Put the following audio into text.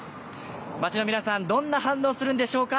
街の皆さんどんな反応をするんでしょうか。